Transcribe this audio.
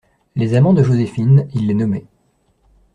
Les amants de Joséphine, il les nommait.